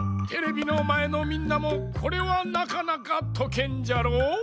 テレビのまえのみんなもこれはなかなかとけんじゃろう？